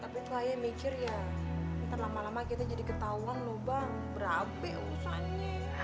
tapi tuh kayaknya mikir ya ntar lama lama kita jadi ketauan loh bang berabe urusannya